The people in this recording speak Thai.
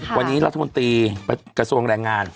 วันนี้รัฐมนตรีกระทรวงแรงงาน